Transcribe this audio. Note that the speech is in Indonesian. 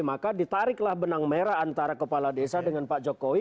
maka ditariklah benang merah antara kepala desa dengan pak jokowi